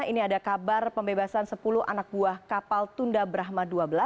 ini ada kabar pembebasan sepuluh anak buah kapal tunda brahma dua belas